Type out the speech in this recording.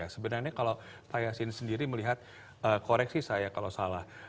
sebenarnya kalau pak yasin sendiri melihat koreksi saya kalau salah